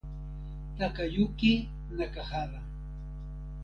Takayuki Nakahara